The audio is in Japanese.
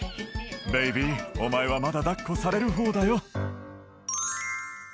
「ベイビーお前はまだ抱っこされる方だよ」